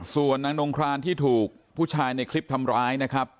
ส่วนนางนงครานที่ถูกผู้ชายในคลิปทำร้ายนะครับ